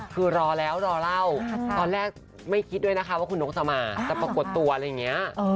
คือรอแล้วรอเล่าตอนแรกไม่คิดด้วยนะคะว่าคุณนกจะมาจะปรากฏตัวอะไรอย่างนี้